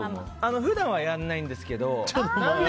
普段はやらないんですけど。